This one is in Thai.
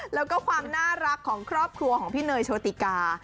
แล้วก็ความน่ารักของครอบครัวของพี่เนยโชติกา